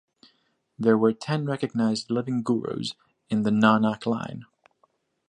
There were ten recognized living gurus in the Nanak line.